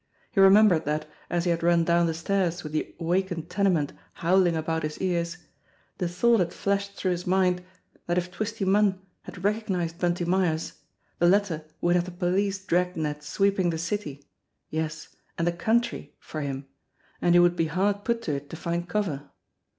He remembered that, as he had run down the stairs with the awakened tene ment howling about his ears, the thought had flashed through his mind that if Twisty Munn had recognised Bunty Myers the latter would have the police drag net sweeping the city, yes, and the country, for him, and he would be hard put to it to find cover.